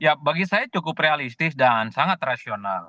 ya bagi saya cukup realistis dan sangat rasional